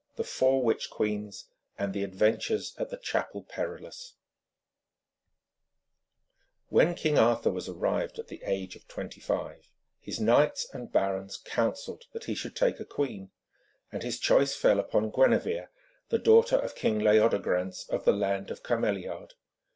THE FOUR WITCH QUEENS, AND THE ADVENTURES AT THE CHAPEL PERILOUS When King Arthur was arrived at the age of twenty five, his knights and barons counselled that he should take a queen, and his choice fell upon Gwenevere, the daughter of King Leodegrance, of the land of Cameliard.